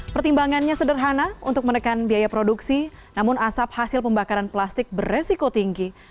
pertimbangannya sederhana untuk menekan biaya produksi namun asap hasil pembakaran plastik beresiko tinggi